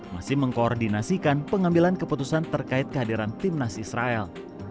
masih mengkoordinasikan pengambilan keputusan terkait kehadiran timnas israel